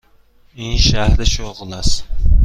این شرح شغل است.